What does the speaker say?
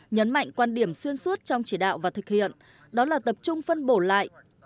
nhấn mạnh quan điểm xuyên suốt trong chỉ đạo và thực hiện đó là tập trung phân bổ lại